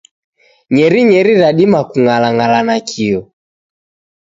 Nyerinyeri radima kung'alang'ala nakio.